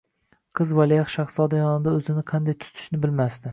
Qiz valiahd shahzoda yonida o‘zini qanday tutishni bilmasdi